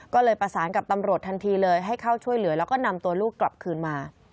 ก็เลยประสานกับตำรวจทันทีเลยให้เข้าช่วยเหลือแล้วก็นำตัวลูกกลับคืนมา